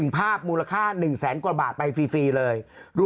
ภาพมูลค่า๑แสนกว่าบาทไปฟรีเลย